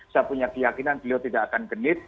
saya punya keyakinan beliau tidak akan genit